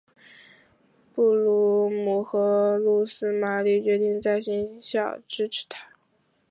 布卢姆和露丝玛丽决定在新校支持他。